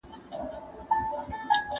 د دانو په اړولو کي سو ستړی